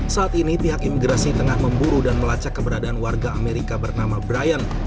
saat ini pihak imigrasi tengah memburu dan melacak keberadaan warga amerika bernama brian